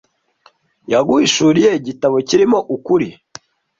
Yaguhishuriye Igitabo kirimo ukuri